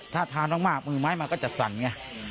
ถ้าทานมากมือไม้มาก็จะสั่นไง